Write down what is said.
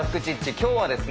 今日はですね